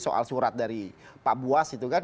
soal surat dari pak buas itu kan